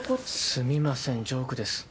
すみませんジョークです。